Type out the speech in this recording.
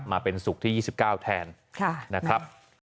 มาเป็นศุกร์ที่ยี่สิบเก้าแทนค่ะนะครับ